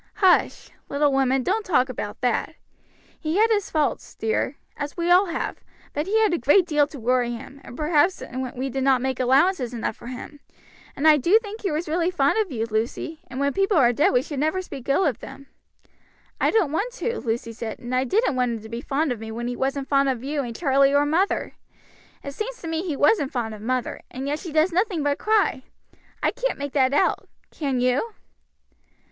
"Hush! little woman, don't talk about that. He had his faults, dear, as we all have, but he had a great deal to worry him, and perhaps we did not make allowances enough for him, and I do think he was really fond of you, Lucy, and when people are dead we should never speak ill of them." "I don't want to," Lucy said, "and I didn't want him to be fond of me when he wasn't fond of you and Charlie or mother. It seems to me he wasn't fond of mother, and yet she does nothing but cry; I can't make that out, can you?"